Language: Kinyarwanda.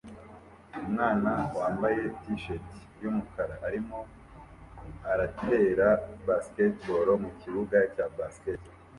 Umwana wambaye t-shati yumukara arimo aratera basketball mukibuga cya basket